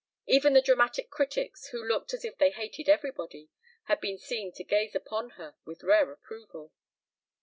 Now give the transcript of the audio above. Even the dramatic critics, who looked as if they hated everybody, had been seen to gaze upon her with rare approval.